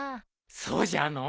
そうじゃのう。